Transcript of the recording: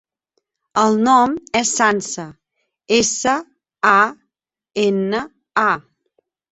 El nom és Sança: essa, a, ena, a.